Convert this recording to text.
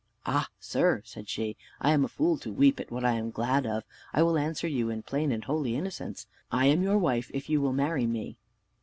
"Ah! sir," said she, "I am a fool to weep at what I am glad of. I will answer you in plain and holy innocence. I am your wife if you will marry me."